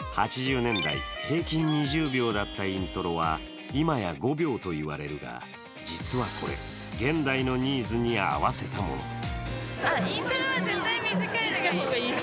８０年代、平均２０秒だったイントロは今や５秒と言われるが、実はこれ、現代のニーズに合わせたもの。